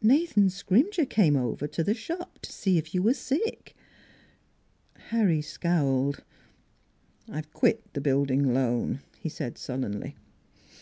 Nathan Scrimger came over to the shop to see if you were sick." Harry scowled. " I've quit the Building Loan," he said sul lenly.